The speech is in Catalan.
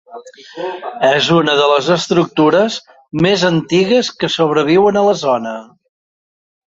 És una de les estructures més antigues que sobreviuen a la zona.